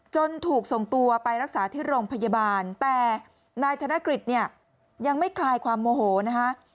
ถูกส่งตัวไปรักษาที่โรงพยาบาลแต่นายธนกฤษเนี่ยยังไม่คลายความโมโหนะคะ